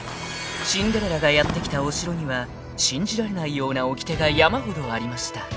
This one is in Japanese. ［シンデレラがやって来たお城には信じられないようなおきてが山ほどありました］